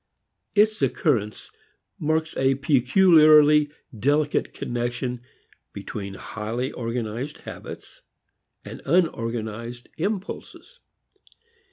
Its occurrence marks a peculiarly delicate connection between highly organized habits and unorganized impulses.